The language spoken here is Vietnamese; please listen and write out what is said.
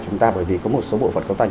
chúng ta bởi vì có một số bộ phận cấu thành